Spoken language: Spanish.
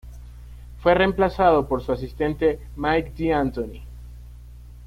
Fue reemplazado por su asistente, Mike D'Antoni.